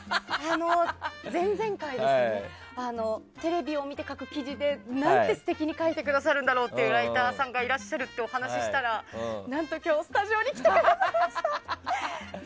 前々回、テレビを見て書く記事で何て素敵に書いてくださるんだろうっていうライターさんがいらっしゃるって話をしたら何と今日スタジオに来てくださいました。